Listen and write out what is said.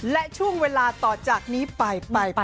และช่วงเวลาต่อจากนี้ไป